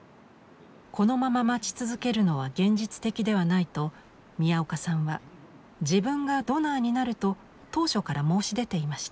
このまま待ち続けるのは現実的ではないと宮岡さんは自分がドナーになると当初から申し出ていました。